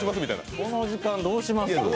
この時間どうします？